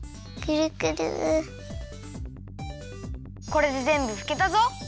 これでぜんぶふけたぞ！